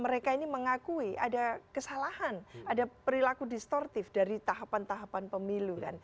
mereka ini mengakui ada kesalahan ada perilaku distortif dari tahapan tahapan pemilu